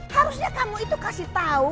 harusnya kamu itu kasih tahu